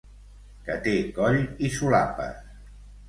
Que té coll i solapes.